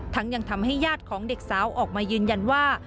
ยังทำให้ญาติของเด็กสาวออกมายืนยันว่า